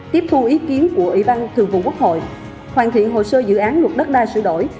tiếp thu ý kiến của ủy ban thường vụ quốc hội hoàn thiện hồ sơ dự án luật đất đai sửa đổi